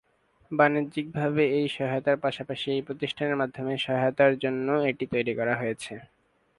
বাণিজ্যিকভাবে এই সহায়তার পাশাপাশি এই প্রতিষ্ঠানের মাধ্যমে সহায়তার জন্য এটি তৈরী করা হয়েছে।